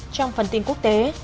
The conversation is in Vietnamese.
trong phần tin quốc tế